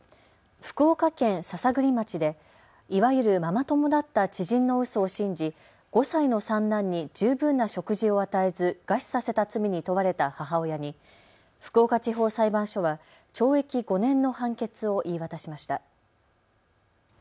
福岡県篠栗町でいわゆるママ友だった知人のうそを信じ５歳の三男に十分な食事を与えず餓死させた罪に問われた母親に福岡地方裁判所は懲役５年の判決を言い渡しました。